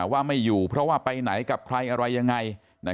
ว่าไม่อยู่เพราะว่าไปไหนกับใครอะไรยังไง